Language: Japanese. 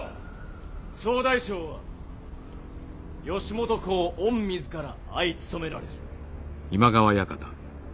総大将は義元公御自ら相務められる。